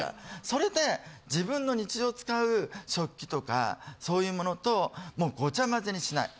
それで自分の日常使う食器とかそういうものともうごちゃまぜにしない。